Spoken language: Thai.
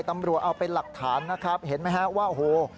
ตำรวจเอาเป็นหลักฐานนะครับเห็นไหมฮะว่าโอ้โห